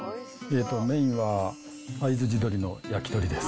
メインは会津地鶏の焼き鳥です。